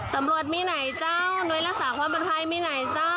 สำรวจมีไหนเจ้าน้วยรักษาความบรรพายมีไหนเจ้า